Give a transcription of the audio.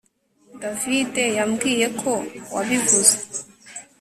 davide yambwiye ko wabivuga